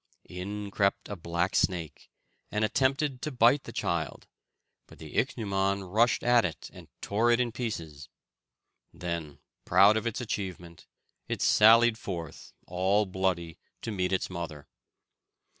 In crept a black snake, and attempted to bite the child; but the ichneumon rushed at it, and tore it in pieces. Then, proud of its achievement, it sallied forth, all bloody, to meet its mother.